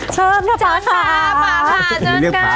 เชิญครับค่ะจ้างกาป่าผาจ้างกา